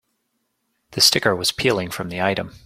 The sticker was peeling from the item.